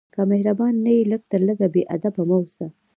که مهربان نه یې، لږ تر لږه بېادبه مه اوسه.